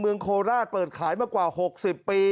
เมืองโคลราศเปิดขายเมื่อกว่า๖๐ปี